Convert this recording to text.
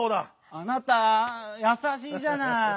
あなたやさしいじゃない。